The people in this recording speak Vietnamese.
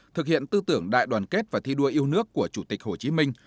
thực hiện tư tưởng đại đoàn kết và thi đua yêu nước của chủ tịch hồ chí minh